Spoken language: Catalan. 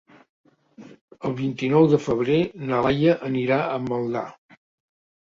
El vint-i-nou de febrer na Laia anirà a Maldà.